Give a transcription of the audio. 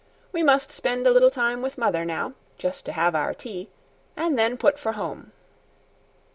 "We must spend a little time with mother now, just to have our tea, an' then put for home."